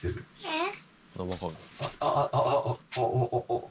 「えっ？